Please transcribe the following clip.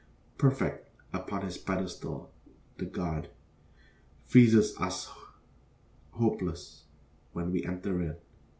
Perfect upon his pedestal, the god Freezes us hopeless when we enter in.